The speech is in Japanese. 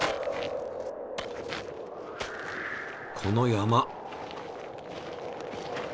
この山。